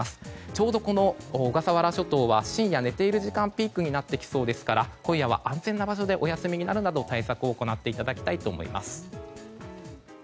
ちょうど小笠原諸島は深夜、寝ている時間がピークになってきそうですから今夜は安全な場所でお休みになるよう対策を行っていただきたいと思います。